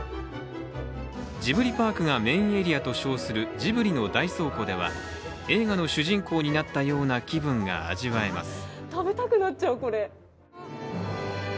ジブリパークがメインエリアと称するジブリの大倉庫では映画の主人公になったような気分が味わえます。